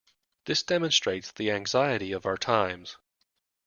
This demonstrates the anxiety of our times.